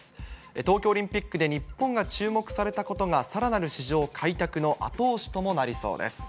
東京オリンピックで日本が注目されたことが、さらなる市場開拓の後押しともなりそうです。